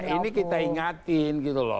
ini kita ingatin gitu loh